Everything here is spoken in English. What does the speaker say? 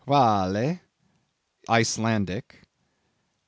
WHALE, Icelandic.